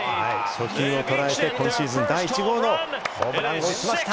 初球をとらえて今シーズン第１号のホームランを打ちました。